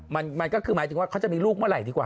หมายถึงว่าเขาจะมีลูกเมื่อไหร่ดีกว่า